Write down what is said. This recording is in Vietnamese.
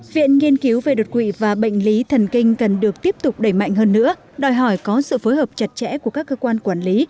viện nghiên cứu về đột quỵ và bệnh lý thần kinh cần được tiếp tục đẩy mạnh hơn nữa đòi hỏi có sự phối hợp chặt chẽ của các cơ quan quản lý